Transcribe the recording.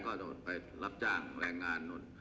ก็จะไปรับจ้างแรงงาน